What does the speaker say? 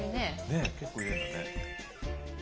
ねっ結構入れんだね。